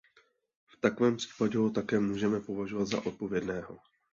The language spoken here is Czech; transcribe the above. V takovém případě ho také můžeme považovat za odpovědného.